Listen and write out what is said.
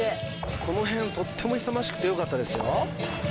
このへんとっても勇ましくてよかったですよ